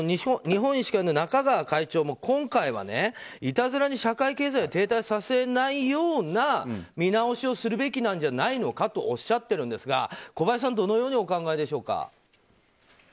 日本医師会の中川会長も今回はいたずらに社会経済を停滞させないような見直しをするべきなんじゃないのかとおっしゃっているんですが小林さんはどのようにお考えでしょうか。